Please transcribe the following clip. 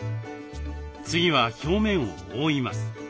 次は表面を覆います。